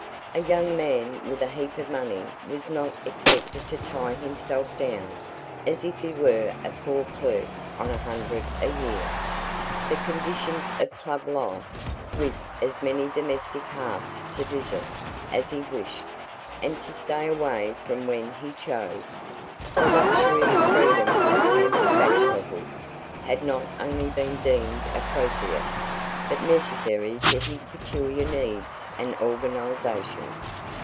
A young man with a heap of money was not expected to tie himself down as if he were a poor clerk on a hundred a year. The conditions of club life, with as many domestic hearths to visit as he wished, and to stay away from when he chose, the luxury and freedom of pampered bachelorhood, had not only been deemed appropriate, but necessary to his peculiar needs and organisation.